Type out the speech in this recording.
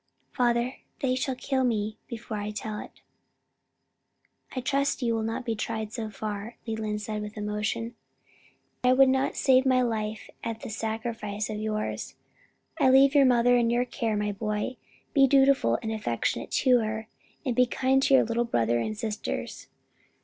"Father, they shall kill me before I'll tell it." "I trust you will not be tried so far," Leland said with emotion. "I would not save my life at the sacrifice of yours. I leave your mother in your care, my boy; be dutiful and affectionate to her, and kind to your little brother and sisters.